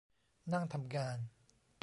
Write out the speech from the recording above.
นั่งทำงาน